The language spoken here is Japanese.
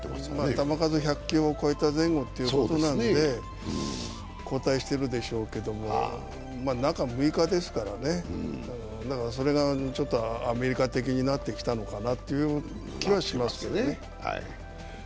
球数１００球を超えた前後ということで交代しているでしょうけど、中６日ですからね、それがちょっとアメリカ的になってきたのかなという気はしますね。